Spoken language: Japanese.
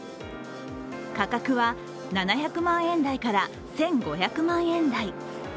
価格は７００万円台から１５００万円台。